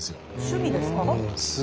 趣味ですか？